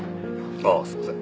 あっすいません。